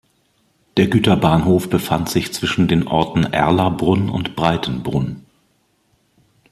Der Güterbahnhof befand sich zwischen den Orten Erlabrunn und Breitenbrunn.